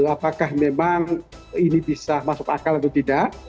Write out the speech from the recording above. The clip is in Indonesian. apakah memang ini bisa masuk akal atau tidak